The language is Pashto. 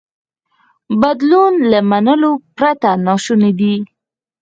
بدلون له منلو پرته ناشونی دی.